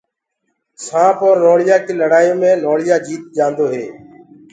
سآنٚپ اور نوݪِيآ ڪيٚ لڙآيو مي نوݪِيآ جيت جانٚدو هي